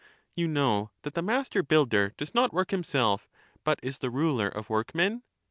You know that the master builder does not work him self, but is the ruler of workmen